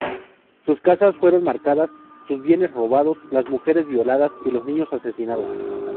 Sus casas fueron marcadas, sus bienes robados, las mujeres violadas y los niños asesinados.